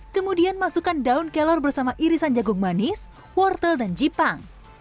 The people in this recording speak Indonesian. kemudian masukkan daun kelor bersama irisan jagung manis wortel dan jipang